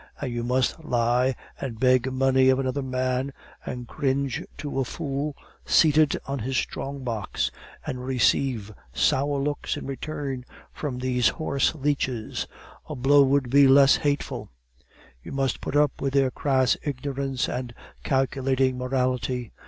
And you must lie, and beg money of another man, and cringe to a fool seated on his strong box, and receive sour looks in return from these horse leeches; a blow would be less hateful; you must put up with their crass ignorance and calculating morality.